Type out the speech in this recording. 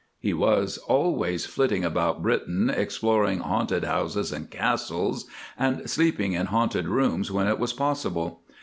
He was always flitting about Britain exploring haunted houses and castles, and sleeping in haunted rooms when it was possible.